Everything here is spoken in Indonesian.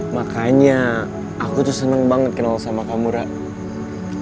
makanya aku tuh seneng banget kenal sama kamu rame